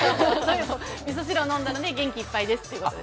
みそ汁を飲んだので元気いっぱいですということです。